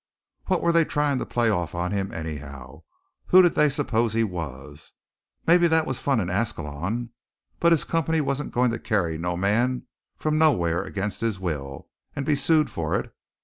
What were they trying to play off on him, anyhow? Who did they suppose he was? Maybe that was fun in Ascalon, but his company wasn't going to carry no man from nowhere against his will and be sued for it.